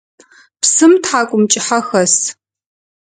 Псым тхьакӏумкӏыхьэ хэс.